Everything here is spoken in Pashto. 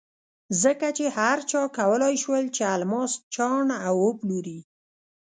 ځکه چې هر چا کولای شول چې الماس چاڼ او وپلوري.